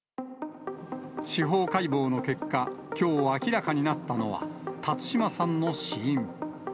司法解剖の結果、きょう明らかになったのは、辰島さんの死因。